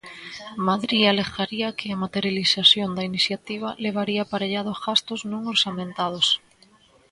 Madrid alega que a materialización da iniciativa levaría aparellado gastos non orzamentados.